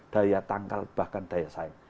daya tangkal bahkan daya saing